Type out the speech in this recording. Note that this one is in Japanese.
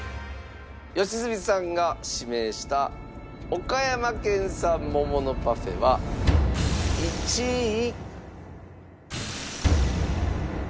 良純さんが指名した岡山県産桃のパフェは１位。